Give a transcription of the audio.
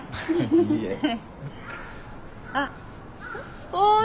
あっおい。